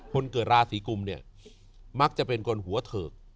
คนเกิดราศีกุมเนี่ยมักจะเป็นคนหัวเถิก